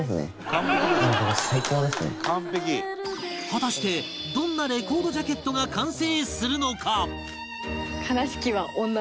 果たしてどんなレコードジャケットが完成するのか？